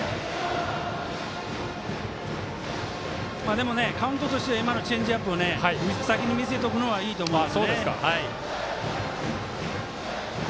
でもカウントとしてはチェンジアップを先に見せておくのはいいと思いますね。